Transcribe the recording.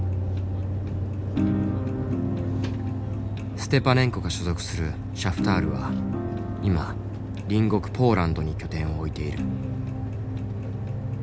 ステパネンコが所属するシャフタールは今隣国ポーランドに拠点を置いている。